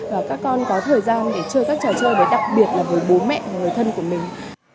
và các con có thời gian để chơi các trò chơi với đặc biệt là với bố mẹ và người thân của mình